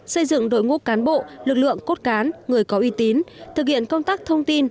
xây dựng đội ngũ cán bộ lực lượng cốt cán người có uy tín thực hiện công tác thông tin